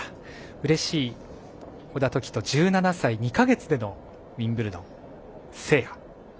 うれしい小田凱人１７歳２か月でのウィンブルドン制覇。